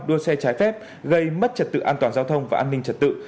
đua xe trái phép gây mất trật tự an toàn giao thông và an ninh trật tự